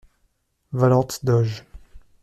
- Valente doge.